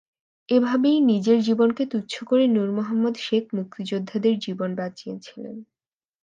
এভাবেই নিজের জীবনকে তুচ্ছ করে নূর মোহাম্মদ শেখ মুক্তিযোদ্ধাদের জীবন বাঁচিয়েছিলেন।